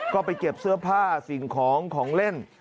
ก็ไปเก็บเสื้อผ้าสิ่งของของเล่น